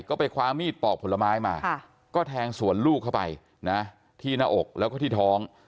ก็ไปคว้ามีดปอกผลไม้มาก็แทงสวนลูกเข้าไปนะที่หน้าอกแล้วก็ที่ท้อง